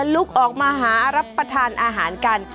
ลุกออกมาหารับประทานอาหารกัน